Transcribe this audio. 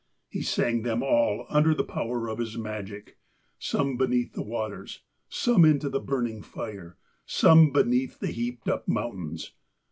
He sang them all under the power of his magic some beneath the waters, some into the burning fire, some beneath the heaped up mountains.